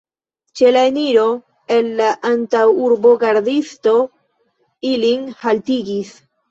Ĉe la eliro el la antaŭurbo gardisto ilin haltigis.